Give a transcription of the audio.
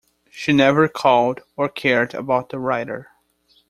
She never called or cared about the writer.